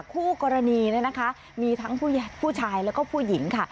คู่กรณีเนี่ยนะคะมีทั้งผู้ชายแล้วก็ผู้หญิงค่ะ